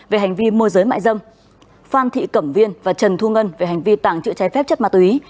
về hành vi môi giới mại dâm phan thị cẩm viên và trần thu ngân về hành vi tạng chữa trái phép chất mát tuy